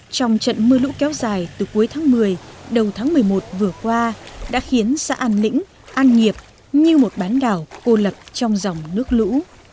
trong trận mưa lũ kéo dài từ cuối tháng một mươi đầu tháng một mươi một vừa qua đã khiến xã an lĩnh an nghiệp như một bán đảo cô lập trong dòng nước lũ